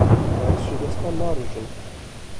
Garis ji destan narijin.